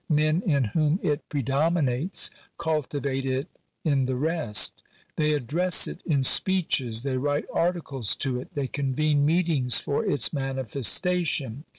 Men in whom it predominates cultivate it in the rest. They address it in speeches ; they write articles to it ; they convene meetings for its manifestation.